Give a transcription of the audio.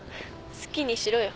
好きにしろよ